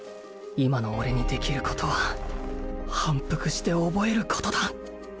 今の俺にできることは反復して覚えることだ